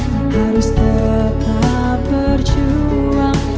harus tetap berjuang